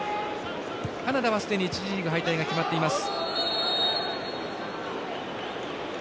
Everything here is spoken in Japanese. カナダはすでに１次リーグ敗退が決まっています。